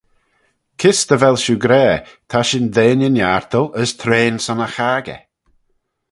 Kys dy vel shiu gra, Ta shin deiney niartal, as trean son y chaggey?